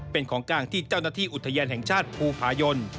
เป็นของกลางที่เจ้าหน้าที่อุทยานแห่งชาติภูผายน